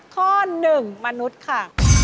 ข้อหนึ่งมนุษย์ค่ะ